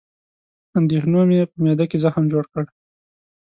اندېښنو مې په معده کې زخم جوړ کړ